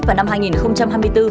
vào năm hai nghìn hai mươi bốn